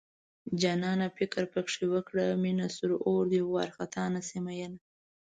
جانانه فکر پکې وکړه مينه سور اور دی وارخطا نشې مينه